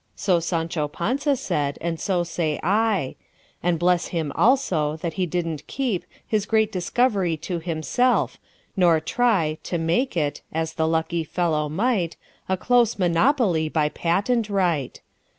So Sancho Panza said, and so say I:And bless him, also, that he did n't keepHis great discovery to himself; nor tryTo make it—as the lucky fellow might—A close monopoly by patent right!